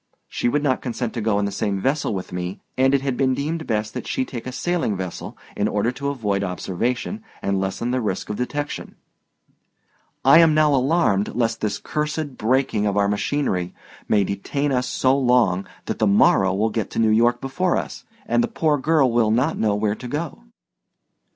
She would not consent to go in the same vessel with me, and it had been deemed best that she take a sailing vessel in order to avoid observation and lessen the risk of detection. I am now alarmed lest this cursed breaking of our machinery may detain us so long that the Morrow will get to New York before us, and the poor girl will not know where to go."